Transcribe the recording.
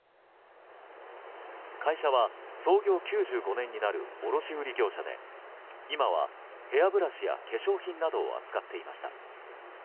会社は創業９５年になる卸売業者で今はヘアブラシや化粧品などを扱っていました。